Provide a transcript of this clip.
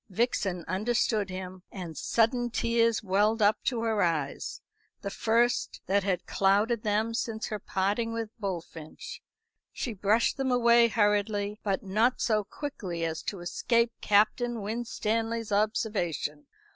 Vixen understood him, and sudden tears welled up to her eyes the first that had clouded them since her parting with Bullfinch. She brushed them away hurriedly, but not so quickly as to escape Captain Winstanley's observation.